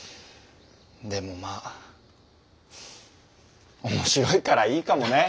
でもまあ面白いからいいかもね。